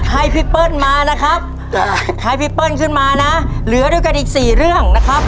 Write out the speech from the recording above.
ให้พี่เปิ้ลมานะครับให้พี่เปิ้ลขึ้นมานะเหลือด้วยกันอีกสี่เรื่องนะครับ